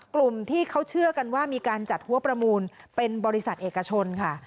กลุ่มที่เขาเชื่อกันว่ามีการจัดหัวประมูลเป็นบริษัทเอกชนค่ะ